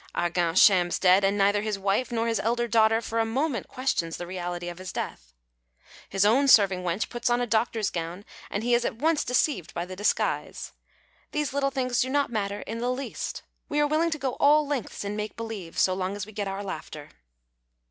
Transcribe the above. Argan shams dead and neither his wife nor his elder daughter for a moment questions the reality of his death. His own serving wench puts on a doctor's gown and he is at once deceived by the disguise. These little things do not matter in the least. We are willing to go all lengths in make believe so long as we get our laughter.